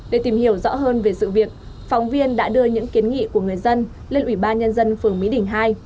để tìm hiểu rõ hơn về sự việc phóng viên đã đưa những kiến nghị của người dân lên ủy ban nhân dân phường mỹ đình hai